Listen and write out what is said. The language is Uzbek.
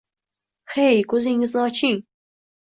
Hey, koʻzingizni oching